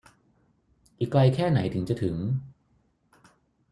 อีกไกลแค่ไหนถึงจะถึง